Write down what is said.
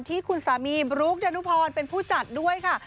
ที่คุณสามีบลุ๊กดานุพรเป็นผู้จัดด้วยค่ะ